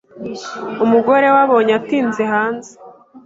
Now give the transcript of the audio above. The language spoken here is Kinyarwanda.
Umugore we abonye atinze hanze,